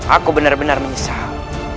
aku benar benar menyesal